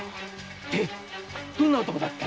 でどんな男だった？